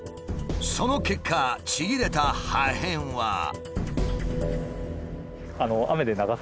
その結果ちぎれた破片は。